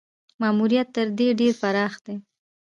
ماموریت تر دې ډېر پراخ دی.